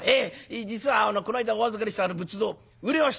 実はこの間お預かりしたあの仏像売れました。